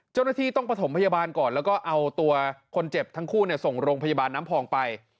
เจ้าหน้าที่ต้องประถมพยาบาลก่อนแล้วก็เอาตัวคนเจ็บทั้งคู่ส่งโรงพยาบาลน้ำพองไป